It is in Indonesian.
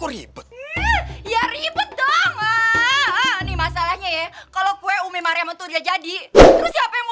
ribet ya ribet dong ini masalahnya ya kalau kue umi mariam itu udah jadi terus siapa yang mau